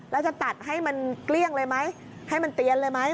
แล้วจะตัดให้มันเกลี้ยงเลยไหมให้มันเตียนเลยไหม